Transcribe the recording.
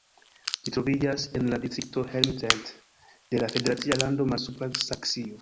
Ĝi troviĝas en la distrikto Helmstedt de la federacia lando Malsupra Saksio.